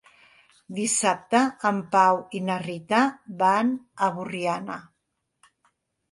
Dissabte en Pau i na Rita van a Borriana.